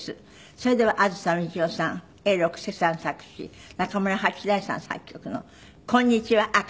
それでは梓みちよさん永六輔さん作詞中村八大さん作曲の『こんにちは赤ちゃん』です。